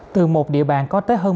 điều kiện an toàn dạy trực tiếp